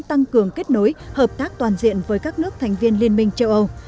tăng cường kết nối hợp tác toàn diện với các nước thành viên liên minh châu âu